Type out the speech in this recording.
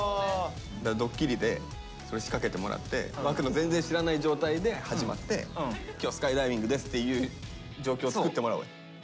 ドッキリでそれ仕掛けてもらって湧の全然知らない状態で始まって今日スカイダイビングですっていう状況作ってもらおうよ。